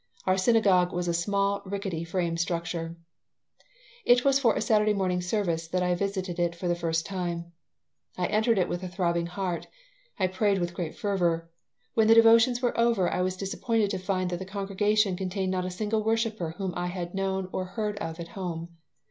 Our synagogue was a small, rickety, frame structure It was for a Saturday morning service that I visited it for the first time. I entered it with throbbing heart. I prayed with great fervor. When the devotions were over I was disappointed to find that the congregation contained not a single worshiper whom I had known or heard of at home.